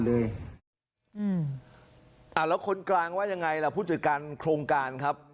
แล้วคนกลางว่ายังไงล่ะผู้จัดการโครงการครับ